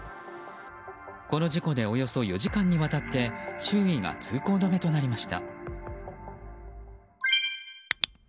この事故でおよそ４時間にわたって周囲が通行止めとなりました。